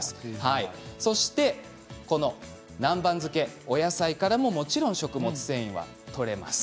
そしてこの南蛮漬けお野菜からももちろん食物繊維はとれます。